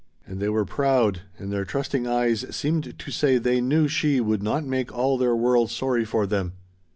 And they were proud, and their trusting eyes seemed to say they knew she would not make all their world sorry for them.